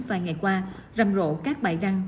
và ngày qua rằm rộ các bài răng